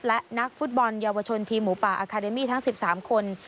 และนักฟุตบอลเยาวชนทีมหมูป่าอาคาเดมี่ทั้ง๑๓คน